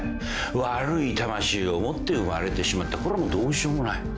悪い魂を持って生まれてしまったこれはもうどうしようもない。